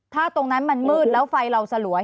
ถ้าตรงนั้นมันมืดแล้วไฟเราสลวย